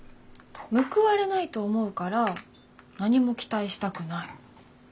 報われないと思うから何も期待したくない。